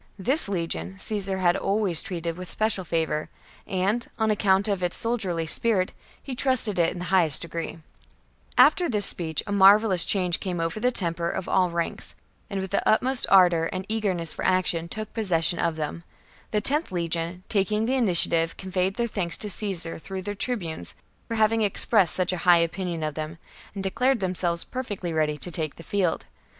This legion Caesar had always treated with special favour, and, on account of its soldierly spirit, he trusted it in the highest degree. 41. After this speech a marvellous changfe The troops ° repent : came over the temper of all ranks, and the utmost c^esar re ,. sumes his ardour and eagerness for action took possession march, and 1 T'l 11 1 • 1 encamps 24 of them. Ihe loth legion, taking the initiative, miles from conveyed their thanks to Caesar through their tribunes for having expressed such a high opinion of them, and declared themselves perfectly ready to take the field.